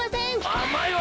あまいわ！